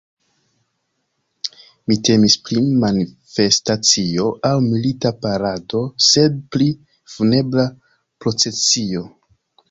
Ne temis pri manifestacio aŭ milita parado, sed pri funebra procesio.